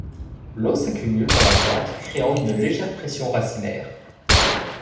L'eau s'accumule dans la plante créant une légère pression racinaire.